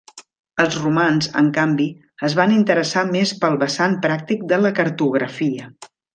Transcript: Els romans, en canvi, es van interessar més pel vessant pràctic de la cartografia.